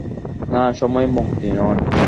না, সময় মুক্ত নয়।